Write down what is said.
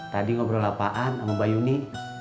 tadi ngobrol lapangan sama mbak yuni